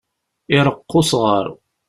Iṛeqq usɣaṛ.